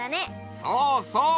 そうそう！